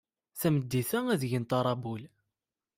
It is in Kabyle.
Tameddit-a, ad d-gent aṛabul.